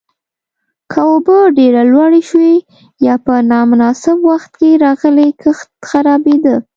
که اوبه ډېره لوړې شوې یا په نامناسب وخت کې راغلې، کښت خرابېده.